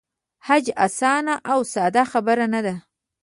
حج آسانه او ساده خبره نه ده.